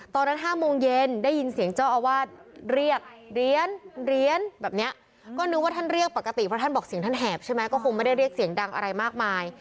ตอนนั้น๕โมงเย็นได้ยินเสียงเจ้าอาวาสเรียก